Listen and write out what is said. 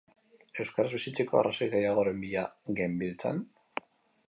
Euskaraz bizitzeko arrazoi gehiagoren bila genbiltzan?